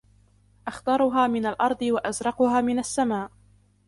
أخضرها من الأرض، وأزرقها من السماء